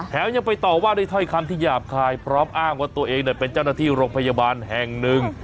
ยังไปต่อว่าด้วยถ้อยคำที่หยาบคายพร้อมอ้างว่าตัวเองเป็นเจ้าหน้าที่โรงพยาบาลแห่งหนึ่ง